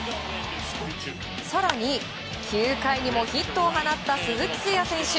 更に、９回にもヒットを放った鈴木誠也選手。